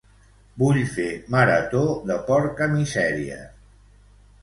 Vull fer marató de "Porca Misèria".